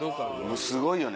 すごいよね。